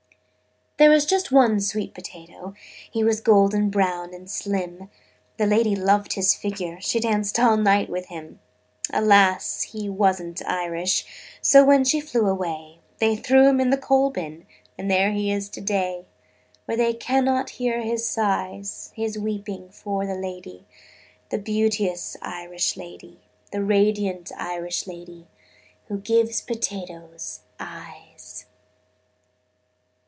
"There was just one sweet potato. He was golden brown and slim: The lady loved his figure. She danced all night with him. Alas, he wasn't Irish. So when she flew away, They threw him in the coal bin And there he is to day, Where they cannot hear his sighs His weeping for the lady, The beauteous Irish lady, The radiant Irish lady Who gives potatoes eyes."